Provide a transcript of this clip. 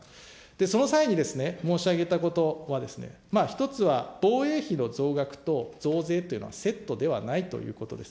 その際に申し上げたことはですね、一つは防衛費の増額と増税というのはセットではないということです。